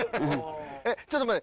えっちょっと待って。